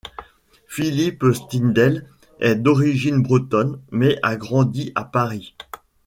Philippine Stindel est d'origine bretonne, mais a grandi à Paris.